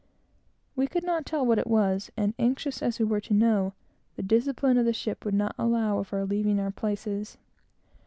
We could not tell what it was; and, anxious as we were to know, the discipline of the ship would not allow of our leaving our places.